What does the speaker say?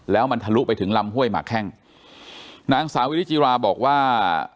แล้วมันทะลุไปถึงลำห้วยหมาแข้งนางสาวิริจิราบอกว่า